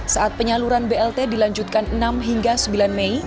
saat penyaluran blt dilanjutkan enam hingga sembilan mei